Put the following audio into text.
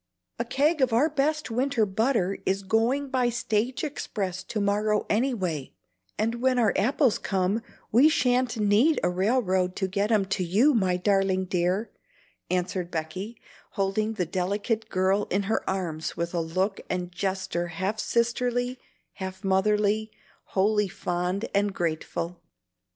"A keg of our best winter butter is going by stage express to morrow anyway; and when our apples come, we shan't need a railroad to get 'em to you, my darling dear," answered Becky, holding the delicate girl in her arms with a look and gesture half sisterly, half motherly, wholly fond and grateful.